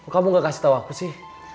kamu nggak kasih tahu aku sih